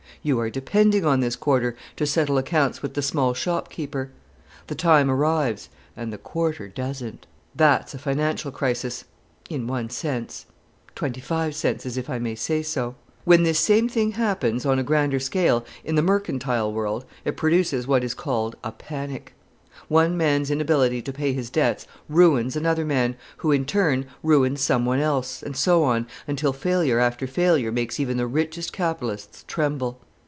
You are depending on this quarter to settle accounts with the small shop keeper. The time arrives and the quarter doesn't. That's a financial crisis, in one sense twenty five senses, if I may say so. When this same thing happens, on a grander scale, in the mercantile world, it produces what is called a panic. One man's inability to pay his debts ruins another man, who, in turn, ruins someone else, and so on, until failure after failure makes even the richest capitalists tremble.